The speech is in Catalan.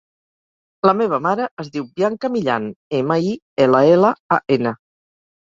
La meva mare es diu Bianca Millan: ema, i, ela, ela, a, ena.